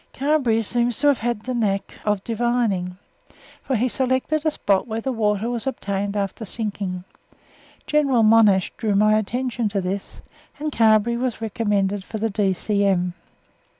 Carberry seems to have the knack of divining, for he selected a spot where water was obtained after sinking. General Monash drew my attention to this, and Carberry was recommended for the D.C.M.